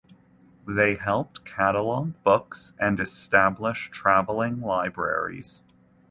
They helped catalogue books and establish travelling libraries.